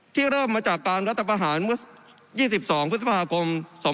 ที่เริ่มมาจากการรัฐประหาร๒๒พฤษภาคม๒๕๕๗